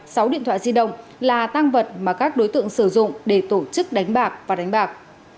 sáu điện thoại di động là tăng vật mà các đối tượng sử dụng để tổ chức đánh bạc và đánh bạc